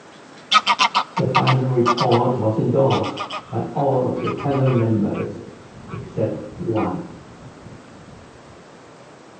The final report was endorsed by all of the panel members except one.